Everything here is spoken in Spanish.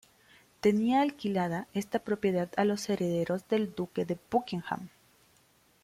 Tenía alquilada esta propiedad a los herederos del duque de Buckingham.